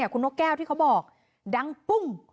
คุณนกแก้วที่เขาบอกดังปุ้ง